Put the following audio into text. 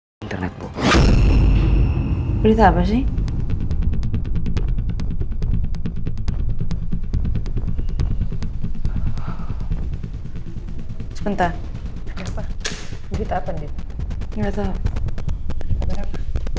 pesawat uang indonesia dengan nomor penerbangan ea tiga ratus tujuh puluh empat dilaporkan hilang kontak sejak pukul sepuluh pagi waktu indonesia bagian barat